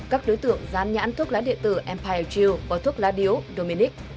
các đối tượng dán nhãn thuốc lá điện tử empire jill và thuốc lá điếu dominic